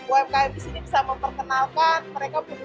umkm disini bisa mempertahankan dan kemudian mengangkat umkm juga jadi